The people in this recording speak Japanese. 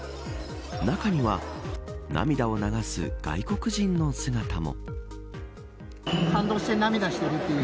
中には、涙を流す外国人の姿も。